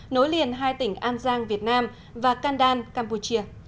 nối liền hai tỉnh an giang việt nam và kandan campuchia